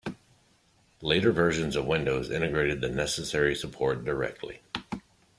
Later versions of Windows integrated the necessary support directly.